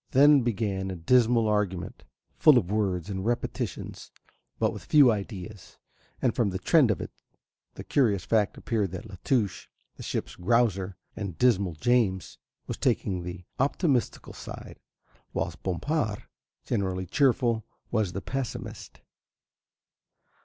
Then began a dismal argument, full of words and repetitions but with few ideas, and from the trend of it the curious fact appeared that La Touche, the ship's grouser and dismal James, was taking the optimistical side, whilst Bompard, generally cheerful, was the pessimist.